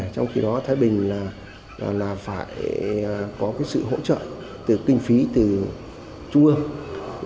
trong khi đó thái bình phải có sự hỗ trợ từ kinh phí từ chung ương